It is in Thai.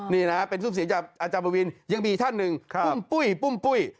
นี่นะเป็นซุ่มเสียงจากอาจารย์ปวินยังมีท่านหนึ่งปุ้มปุ้ยปุ้มปุ้ย